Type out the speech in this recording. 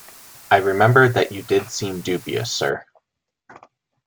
I remember that you did seem dubious, sir.